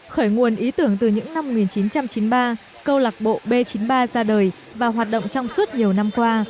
khởi nguồn ý tưởng từ những năm một nghìn chín trăm chín mươi ba câu lạc bộ b chín mươi ba ra đời và hoạt động trong suốt nhiều năm qua